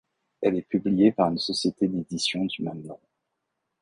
Elle est publiée par une société d'édition du même nom.